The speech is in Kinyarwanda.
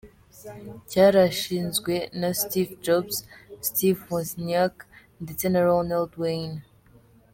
cyarashinzwe, na Steve Jobs, Steve Wozniak, ndetse na Ronald Wayne.